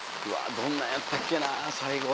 どんなやったっけな最後。